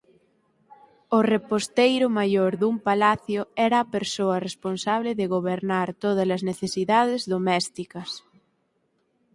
O reposteiro maior dun palacio era a persoa responsable de gobernar tódalas necesidades domésticas.